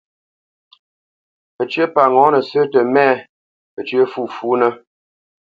Pəcyə́ pa ŋɔ̌nə sə́ tə mɛ̂, pəcyə́ fûfúnə́.